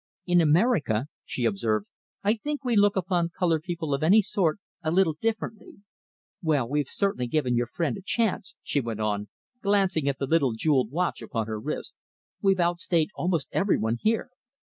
"In America," she observed, "I think we look upon coloured people of any sort a little differently. Well, we've certainly given your friend a chance," she went on, glancing at the little jewelled watch upon her wrist, "We've outstayed almost every one here."